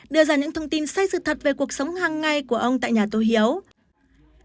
đưa ra những thông tin say sự thật về cuộc sống hàng ngày của ông tại nhà tô hiếu